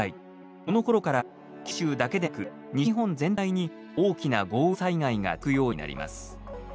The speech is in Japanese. このころから九州だけでなく西日本全体に大きな豪雨災害が続くようになります。